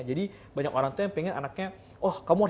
jadi banyak orang tua yang pengen alih alih